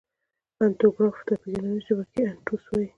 اتنوګراف ته په یوناني ژبه کښي انتوس وايي.